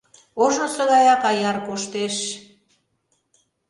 Ожнысо гаяк аяр коштеш...